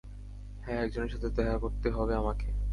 হ্যাঁ, একজনের সাথে দেখা করতে হবে আমাকে।